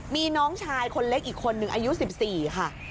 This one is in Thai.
มีน้องชายคนเล็กอีกคนนึงอายุ๑๔ค่ะ